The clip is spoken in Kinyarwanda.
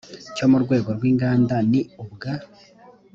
cyo mu rwego rw inganda ni ubwa